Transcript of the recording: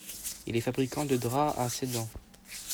Il est fabricant de draps à Sedan.